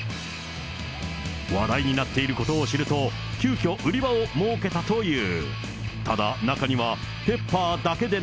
話題になっていることを知ると、急きょ、売り場を設けたという。